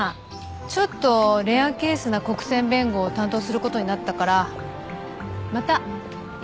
ちょっとレアケースな国選弁護を担当することになったからまたイチケイに通うね。